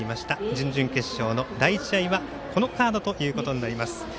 準々決勝の第１試合はこのカードということになります。